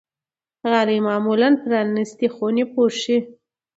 غالۍ معمولا پرانيستې خونې پوښي.